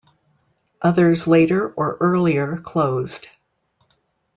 Others later or earlier closed.